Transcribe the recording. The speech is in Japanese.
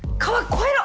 越えろ！